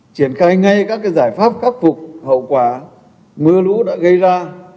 triển khai ngay các giải pháp khắc phục hậu quả mưa lũ đã gây ra